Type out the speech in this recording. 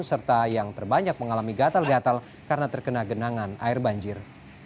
serta yang terbanyak mengalami gatal gatal karena terkena genangan air banjir